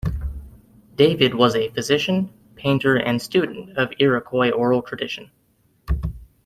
David was a physician, painter and student of Iroquois oral tradition.